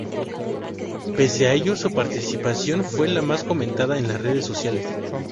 Pese a ello, su participación fue la más comentada en las redes sociales.